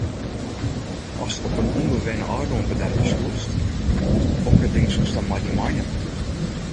Ast op in ûnbewenne eilân bedarje soest, hokker dingen soest dan mei dy meinimme?